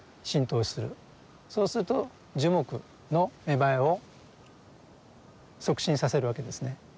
そうすると樹木の芽生えを促進させるわけですね。